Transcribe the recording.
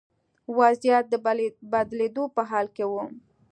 وضعیت د بدلېدو په حال کې و.